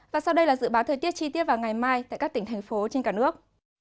và sau đây là dự báo thời tiết chi tiết vào ngày mai tại các tỉnh thành phố trên cả nước